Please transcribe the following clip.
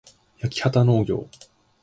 やきはたのうぎょう